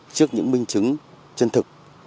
trước những minh chứng chân thực